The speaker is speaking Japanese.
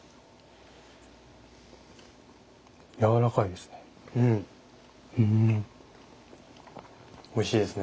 柔らかいですね。